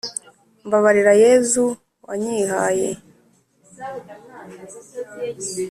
mbabarira yezu wanyihaye